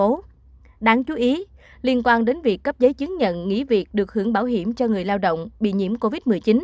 với những vấn đề đáng chú ý liên quan đến việc cấp giấy chứng nhận nghỉ việc được hưởng bảo hiểm cho người lao động bị nhiễm covid một mươi chín